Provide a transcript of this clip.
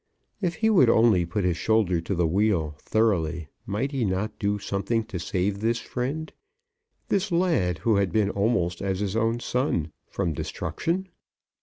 If he would only put his shoulder to the wheel thoroughly might he not do something to save this friend, this lad, who had been almost as his own son, from destruction?